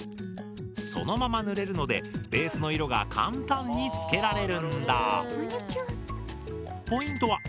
そのまま塗れるのでベースの色が簡単につけられるんだ。